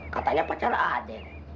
katanya pacar ada den